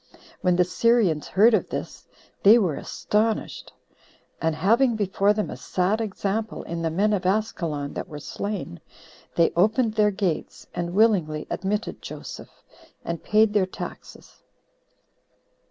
When the Syrians heard of this, they were astonished; and having before them a sad example in the men of Askelon that were slain, they opened their gates, and willingly admitted Joseph, and paid their taxes.